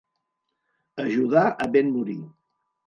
Ajudar a ben morir.